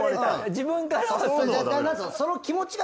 自分からは。